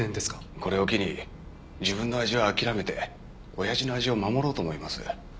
これを機に自分の味は諦めて親父の味を守ろうと思います。